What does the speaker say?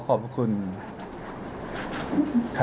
พร้อมแล้วเลยค่ะ